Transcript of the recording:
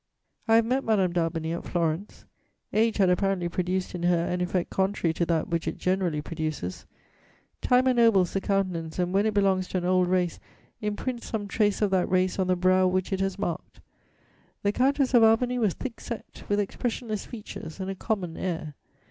I have met Madame d'Albany at Florence; age had apparently produced in her an effect contrary to that which it generally produces: time ennobles the countenance and, when it belongs to an old race, imprints some trace of that race on the brow which it has marked; the Countess of Albany was thick set, with expressionless features and a common air.